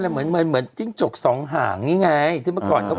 เหมือนเหมือนจิ้งจกสองหางนี่ไงที่เมื่อก่อนเขาบอก